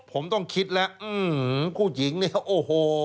ผมต้องคิดแล้วผู้หญิงเนี่ยโอ้โห